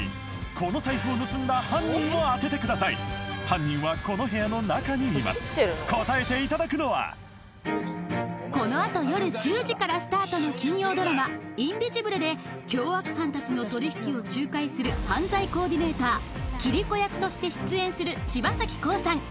この財布を盗んだ犯人を当ててください答えていただくのはこのあと夜１０時からスタートの金曜ドラマ「インビジブル」で凶悪犯達の取り引きを仲介する犯罪コーディネーターキリコ役として出演する柴咲コウさん